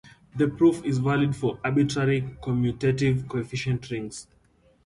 The proof is valid for arbitrary commutative coefficient rings.